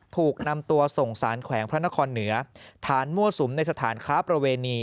ถูกนำตัวส่งสารแขวงพระนครเหนือฐานมั่วสุมในสถานค้าประเวณี